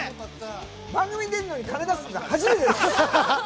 番組出るのに金出すなんて初めてです。